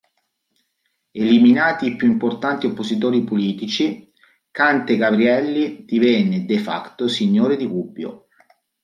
Eliminati i più importanti oppositori politici, Cante Gabrielli divenne, "de facto", signore di Gubbio.